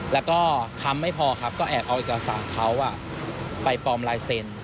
แล้วก็คำไม่พอครับก็แอบเอาเอกสารเขาไปปลอมลายเซ็น